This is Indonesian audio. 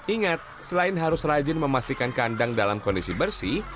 ingat selain harus rajin memastikan kandang dalam kondisi bersih